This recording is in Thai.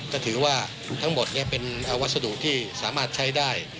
ก็ถือว่าทั้งหมดนี้เป็นวัสดุที่สามารถใช้ได้